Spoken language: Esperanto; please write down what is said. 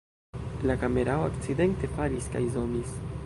La kamerao akcidente falis kaj zomis